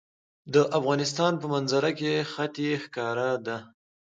د افغانستان په منظره کې ښتې ښکاره ده.